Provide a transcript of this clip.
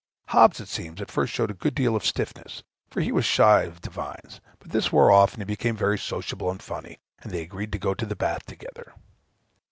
Hobbes, it seems, at first showed a good deal of stiffness, for he was shy of divines; but this wore off, and he became very sociable and funny, and they agreed to go into the bath together.